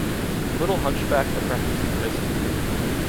The little hunchbacked apprentice was missed too.